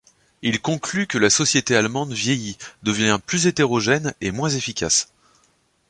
Il conclut que la société allemande vieillit, devient plus hétérogène et moins efficace.